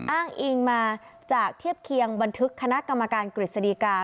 อ้างอิงมาจากเทียบเคียงบันทึกคณะกรรมการกฤษฎีกา